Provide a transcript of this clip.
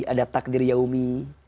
ada takdir yaumi